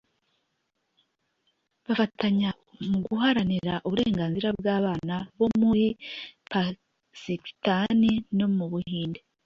bafatanya mu guharanira uburenganzira bw'abana bo muri pasikitani no mu buhinde